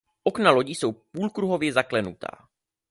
Okna lodi jsou půlkruhově zaklenutá.